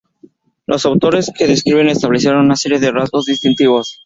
Los autores que describen establecieron una serie de rasgos distintivos.